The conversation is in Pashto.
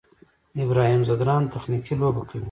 ابراهیم ځدراڼ تخنیکي لوبه کوي.